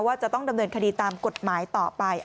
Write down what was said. จะต้องดำเนินคดีตามกฎหมายต่อไป